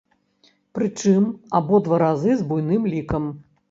Прычым, абодва разы з буйным лікам.